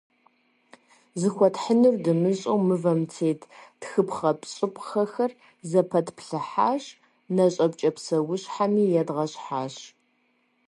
Зыхуэтхьынур дымыщӏэу мывэм тет тхыпхъэщӏыпхъэхэр зэпэтплъыхьащ, нэщӏэпкӏэ псэущхьэми едгъэщхьащ.